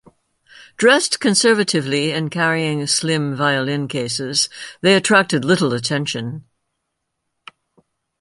Dressed conservatively and carrying slim violin cases, they attracted little attention.